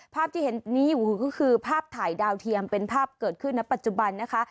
ภาพที่เห็นนี้อยู่ก็คือภาพถ่ายดาวเทียมเป็นภาพเกิดขึ้นณปัจจุบันนะคะ